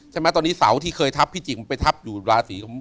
ใช่ไหมตอนนี้เสาที่เคยทับพิจิกมันไปทับอยู่ราศีของ